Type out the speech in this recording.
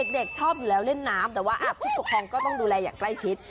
เด็กชอบอยู่แล้วเล่นน้ำแต่ว่าผู้ปกครองก็ต้องดูแลอย่างใกล้ชิด